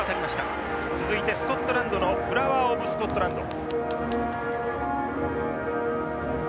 続いてスコットランドの「フラワーオブスコットランド」。